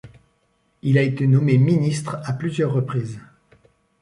Il a été nommé ministre à plusieurs reprises.